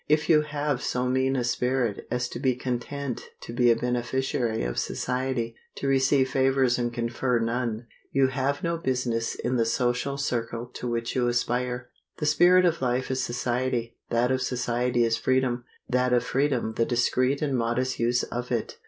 If you have so mean a spirit as to be content to be a beneficiary of society, to receive favors and confer none, you have no business in the social circle to which you aspire. The spirit of life is society; that of society is freedom; that of freedom the discreet and modest use of it.